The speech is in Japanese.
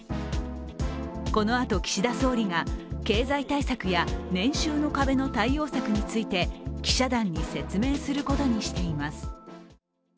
このあと、岸田総理が経済対策や年収の壁の対応策について記者団に説明することにしています。